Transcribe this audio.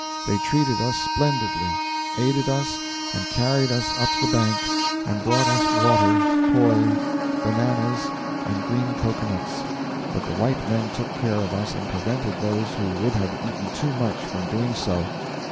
They treated us splendidly aided us, and carried us up the bank, and brought us water, poi, bananas, and green coconuts; but the white men took care of us and prevented those who would have eaten too much from doing so.